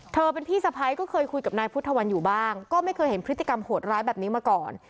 เธอเป็นพี่สะพ้ายก็เคยคุยกับนายพุทธวันอยู่บ้างก็ไม่เคยเห็นพฤติกรรมโหดร้ายแบบนี้มาก่อน